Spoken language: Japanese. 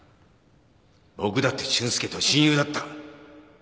僕だって俊介と親友だった。